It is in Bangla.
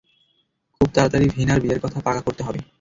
খুব তাড়াতাড়ি ভীনার বিয়ের কথা পাকা করতে হবে।